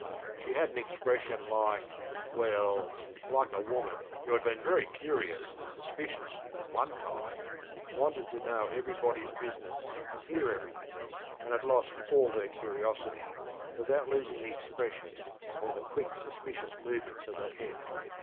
She had an expression likeŌĆöwell, like a woman who had been very curious and suspicious at one time, and wanted to know everybodyŌĆÖs business and hear everything, and had lost all her curiosity, without losing the expression or the quick suspicious movements of the head.